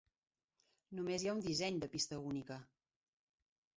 Només hi ha un disseny de pista única.